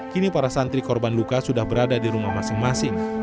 kini para santri korban luka sudah berada di rumah masing masing